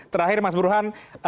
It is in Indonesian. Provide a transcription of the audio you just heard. terakhir mas buruhan